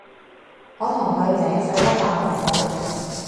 我同佢井水不犯河水